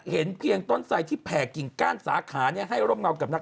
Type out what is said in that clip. เห็นเพียงต้นไสที่แผ่กิ่งก้านสาขาให้ร่มเงากับนัก